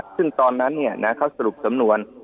ซึ่งตอนนั้นเขาสรุปสำนวน